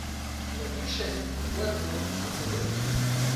La duchesse de Boisemont et ses deux filles.